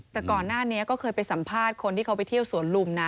แต่ก่อนหน้านี้ก็เคยไปสัมภาษณ์คนที่เขาไปเที่ยวสวนลุมนะ